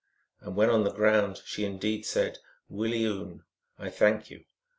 And when on the ground she indeed said, " Willee oon," " I thank you " (P.)